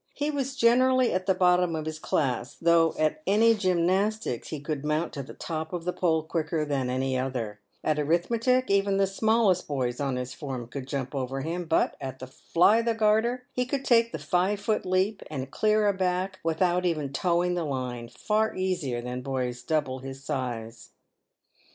He was generally at the bottom of his class, though at gymnastics he could mount to the top of the pole quicker than any other ; at arithmetic even the smallest boys on his form could jump over him, but at fly the garter he could take the " five foot leap," and clear a back, without even " toeing the line," far easier than boys double his size.